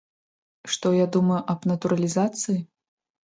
Што я думаю аб натуралізацыі?